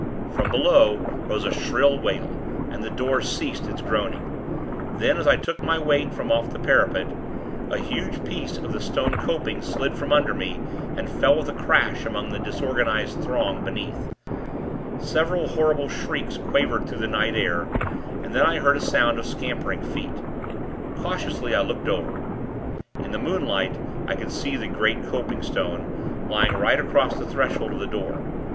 From below, rose a shrill wail; and the door ceased its groaning. Then, as I took my weight from off the parapet, a huge piece of the stone coping slid from under me, and fell with a crash among the disorganized throng beneath. Several horrible shrieks quavered through the night air, and then I heard a sound of scampering feet. Cautiously, I looked over. In the moonlight, I could see the great copingstone, lying right across the threshold of the door.